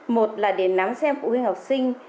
một là để nắm xem phụ huynh học sinh